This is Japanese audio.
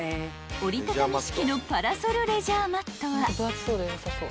［折り畳み式のパラソルレジャーマットは］